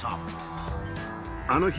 あの日。